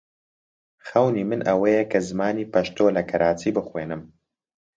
خەونی من ئەوەیە کە زمانی پەشتۆ لە کەراچی بخوێنم.